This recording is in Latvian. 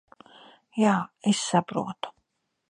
Jā, es saprotu.